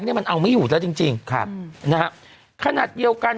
เนี้ยมันเอาไม่อยู่แล้วจริงจริงครับนะฮะขนาดเดียวกัน